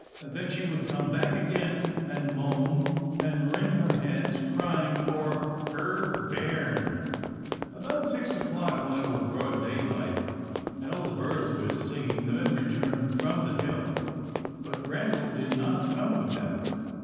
Then she would come back again, and moan and wring her hands, crying for "her bairn." About six o'clock, when it was broad daylight and all the birds were singing, the men returned from the hill. But Randal did not come with them.